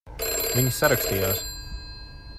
Viņi sarakstījās.